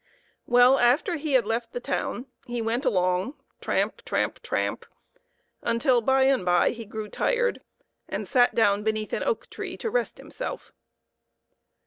Well, after he had left the town, he went along, tramp ! tramp ! tramp ! until, by and by, he grew tired and sat down beneath an oak tree to rest himself a little.